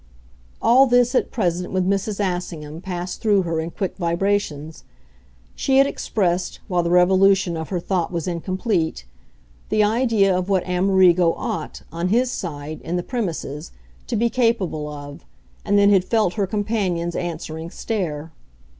All this, at present, with Mrs. Assingham, passed through her in quick vibrations. She had expressed, while the revolution of her thought was incomplete, the idea of what Amerigo "ought," on his side, in the premises, to be capable of, and then had felt her companion's answering stare.